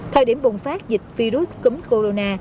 thời điểm bùng phát dịch virus cúm corona